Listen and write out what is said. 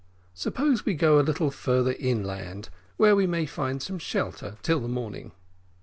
Suppose we go a little farther inland, where we may find some shelter till the morning."